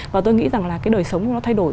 và tôi nghĩ rằng là cái đời sống của nó thay đổi